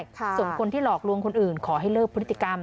ส่วนคนที่หลอกลวงคนอื่นขอให้เลิกพฤติกรรม